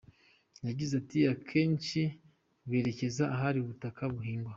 Yagize ati “Ahenshi berekeza ahari ubutaka buhingwa.